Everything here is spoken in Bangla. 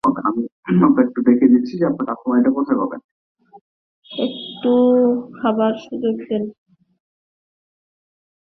একটু খাওয়ার সুযোগ দাও।